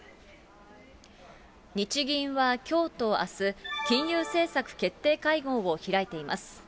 日銀はきょうとあす、金融政策決定会合を開いています。